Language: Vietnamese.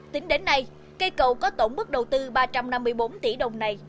tính đến nay cây cầu có tổn bức đầu tư ba trăm năm mươi bốn tỷ đồng này